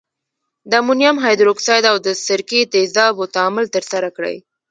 د امونیم هایدورکساید او د سرکې تیزابو تعامل ترسره کړئ.